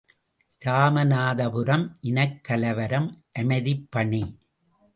● இராமநாதபுரம் இனக் கலவரம் அமைதிப்பணி.